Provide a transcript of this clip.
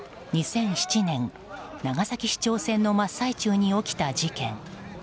２００７年、長崎市長選挙の真っ最中に起きた事件。